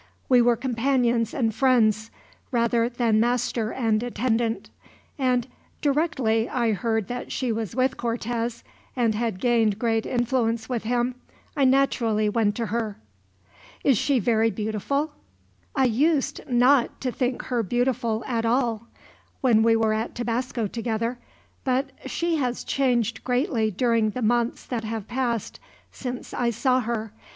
We were companions and friends, rather than master and attendant; and directly I heard that she was with Cortez, and had gained great influence with him, I naturally went to her." "Is she very beautiful?" "I used not to think her beautiful at all, when we were at Tabasco together; but she has changed greatly during the months that have passed since I saw her.